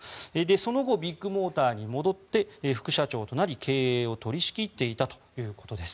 その後、ビッグモーターに戻って副社長となり経営を取り仕切っていたということです。